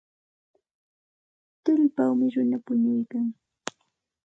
Tullpawmi runa punuykan.